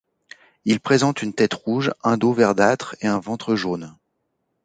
Il présente une tête rouge, un dos verdâtre et un ventre jaune.